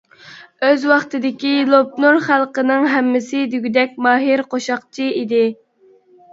ئۆز ۋاقتىدىكى لوپنور خەلقىنىڭ ھەممىسى دېگۈدەك ماھىر قوشاقچى ئىدى.